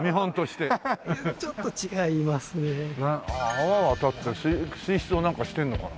泡は立って水質をなんかしてるのかな？